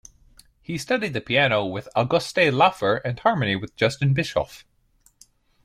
He studied the piano with Auguste Laufer and harmony with Justin Bischoff.